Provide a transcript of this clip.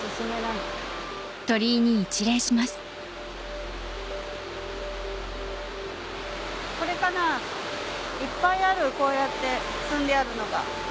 いっぱいあるこうやって積んであるのが。